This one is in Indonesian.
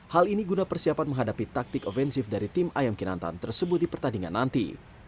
hal ini guna persiapan menghadapi taktik offensif dari tim ayam kinantan tersebut di pertandingan nanti